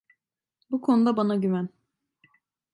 Bu konuda bana güven.